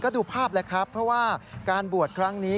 ดูภาพแล้วครับเพราะว่าการบวชครั้งนี้